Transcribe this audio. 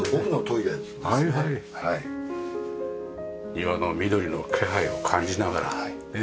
庭の緑の気配を感じながらねっ。